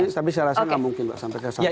tapi saya rasa gak mungkin mbak sampai kesana